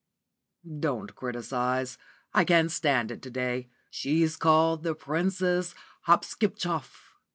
"Don't criticise, I can't stand it to day. She's called the Princess Hopskipchoff.